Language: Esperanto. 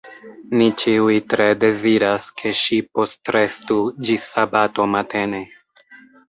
Ni ĉiuj tre deziras, ke ŝi postrestu ĝis sabato matene.